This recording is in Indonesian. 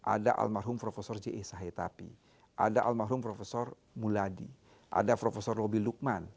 ada almarhum prof j i sahetapi ada almarhum prof muladi ada prof roby lukman